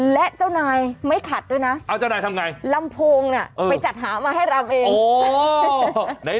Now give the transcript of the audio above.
และเจ้านายไม่ขัดด้วยนะลำโพงน่ะไปจัดหามาให้ลำเองเอ้า